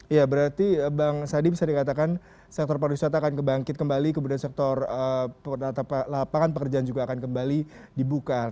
ya berarti bang sadi bisa dikatakan sektor pariwisata akan kebangkit kembali kemudian sektor lapangan pekerjaan juga akan kembali dibuka